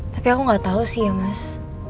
tapi aku gak tau sih ya mas